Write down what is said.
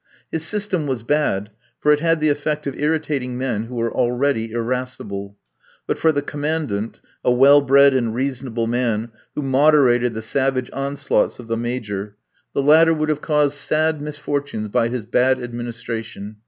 His system was bad, for it had the effect of irritating men who were already irascible. But for the Commandant, a well bred and reasonable man, who moderated the savage onslaughts of the Major, the latter would have caused sad misfortunes by his bad administration.